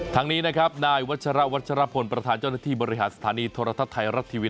ทางนี้นะครับนายวัชระวัชรพลประธานเจ้าหน้าที่บริหารสถานีโทรทัศน์ไทยรัฐทีวี